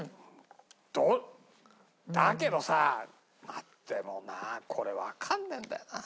どだけどさまあでもなこれわかんねえんだよな。